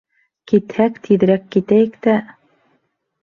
Китһәк, тиҙерәк китәйек тә.